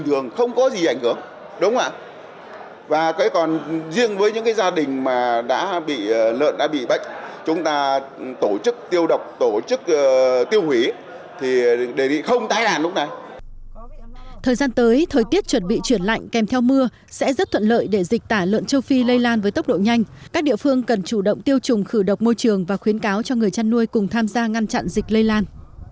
thời gian tới thời tiết chuẩn bị chuyển lạnh kèm theo mưa sẽ rất thuận lợi để dịch tả lợn châu phi lây lan với tốc độ nhanh các địa phương cần chủ động tiêu chủng khử độc môi trường và khuyến cáo cho người chăn nuôi cùng tham gia ngăn chặn dịch lây lan